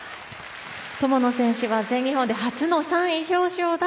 友野選手は全日本で初の３位表彰台。